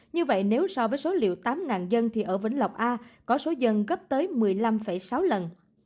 như vậy nếu so với số liệu tám dân thì ở vĩnh lộc a có số dân gấp tới một mươi năm sáu lần